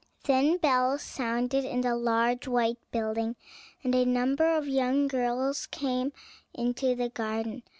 Then bells sounded in the large white building, and a number of young girls came into the garden.